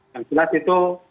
yang jelas itu